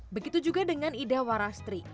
begitu juga dengan ida warastri